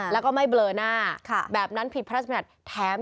แล้วก็ไม่บลือหน้าค่ะแบบนั้นผิดพระราชบัติศพิวเตอร์